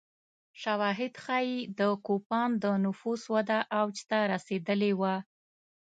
شواهد ښيي د کوپان د نفوس وده اوج ته رسېدلې وه